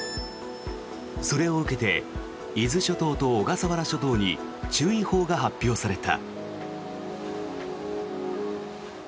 それを受けて伊豆諸島と小笠原諸島に注意報が発表された。